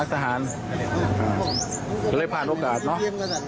คุณผู้ชมฟังเสียงผู้ต้องหากันหน่อยนะคะ